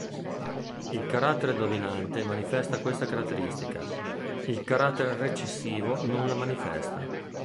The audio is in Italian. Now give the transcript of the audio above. Il carattere dominante manifesta questa caratteristica; il carattere recessivo non la manifesta.